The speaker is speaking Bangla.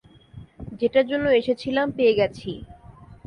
যেটার জন্য এসেছিলাম, পেয়ে গেছি!